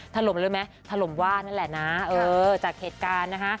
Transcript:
ถล่มเลยไหมถล่มว่านั่นแหละนะเออจากเหตุการณ์นะคะ